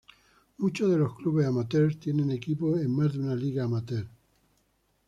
Muchos de los clubes amateurs tienen equipos en más de una liga amateur.